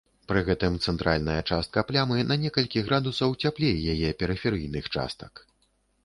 Пры гэтым цэнтральная частка плямы на некалькі градусаў цяплей яе перыферыйных частак.